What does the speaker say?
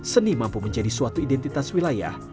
seni mampu menjadi suatu identitas wilayah